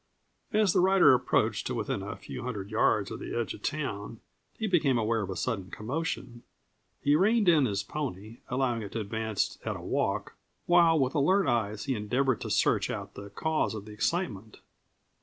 As the rider approached to within a few hundred yards of the edge of town he became aware of a sudden commotion. He reined in his pony, allowing it to advance at a walk, while with alert eyes he endeavored to search out the cause of the excitement.